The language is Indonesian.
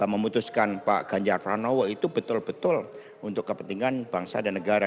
memutuskan pak ganjar pranowo itu betul betul untuk kepentingan bangsa dan negara